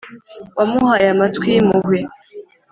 wamuhaye amatwi yimpuhwe,